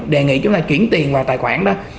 đề nghị chúng ta chuyển tiền vào tài khoản đó